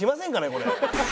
これ。